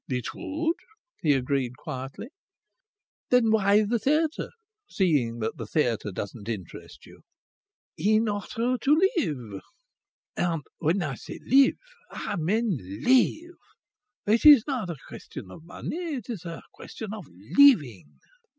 "It would," he agreed quietly. "Then why the theatre, seeing that the theatre doesn't interest you?" "In order to live," he replied. "And when I say 'live,' I mean live. It is not a question of money, it is a question of living."